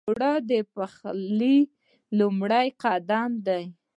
اوړه د پخلي لومړی قدم دی